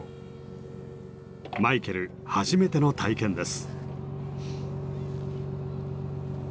マイケル初めての体験です。